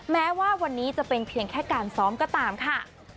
แม้ว่าวันนี้จะเป็นเพียงแค่การซ้อมก็ตามค่ะ